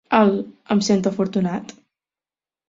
El "Em sento afortunat"?